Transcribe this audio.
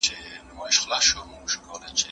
د شکارپور دروازي نوم د کوم ځای څخه اخیستل سوی؟